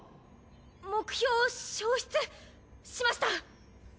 目標消失しました！